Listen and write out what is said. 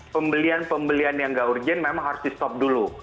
pembelian pembelian yang nggak urgent memang harus di stop dulu